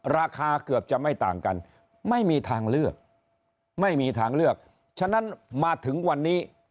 ราคาเกือบจะไม่ต่างกันไม่มีทางเลือกไม่มีทางเลือกฉะนั้นมาถึงวันนี้